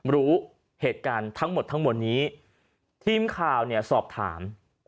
รู้เหตุการณ์ทั้งหมดทั้งหมดนี้ทีมข่าวเนี่ยสอบถาม